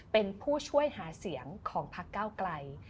เป็นผู้ช่วยหาเสียงของพักเก้าไกล